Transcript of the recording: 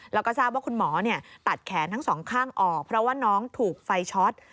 แล้วก็ทราบว่าคุณหมอตัดแขนทั้งสองข้างออกเพราะว่าน้องถูกไฟช็อต